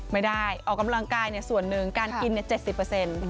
ไม่ได้ออกกำลังกายส่วนหนึ่งการกิน๗๐